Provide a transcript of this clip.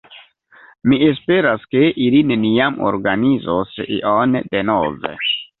Mi esperas, ke ili neniam organizos ion denove.